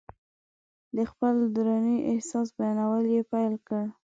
د خپل دروني احساس بیانول یې پیل کړل.